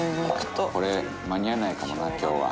これ間に合わないかもな今日は」